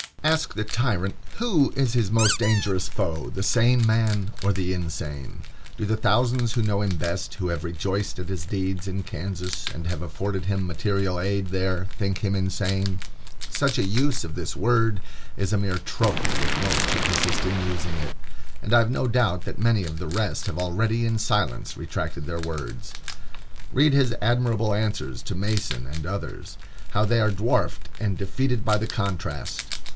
Ask the tyrant who is his most dangerous foe, the sane man or the insane? Do the thousands who know him best, who have rejoiced at his deeds in Kansas, and have afforded him material aid there, think him insane? Such a use of this word is a mere trope with most who persist in using it, and I have no doubt that many of the rest have already in silence retracted their words. Read his admirable answers to Mason and others. How they are dwarfed and defeated by the contrast!